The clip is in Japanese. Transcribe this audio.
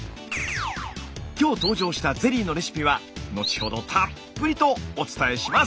今日登場したゼリーのレシピは後ほどたっぷりとお伝えします！